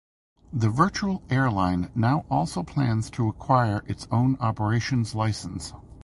The virtual airline now also plans to acquire its own operations license.